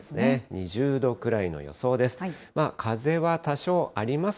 ２０度くらいの予想です。